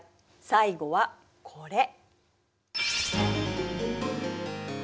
最後はこれ。